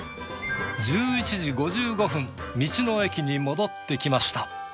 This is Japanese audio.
１１時５５分道の駅に戻ってきました。